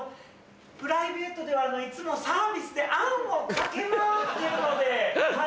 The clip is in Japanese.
プライベートではいつもサービスであんをかけ回ってるのではい。